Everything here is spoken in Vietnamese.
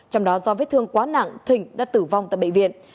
trong đó do vết thương quá nặng thịnh đã tử vong tại bệnh viện